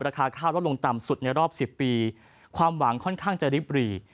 ราคาข้าวลดลงต่ำสุดในรอบ๑๐ปีความหวังค่อนข้างจะริบหรี่